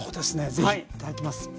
是非いただきます。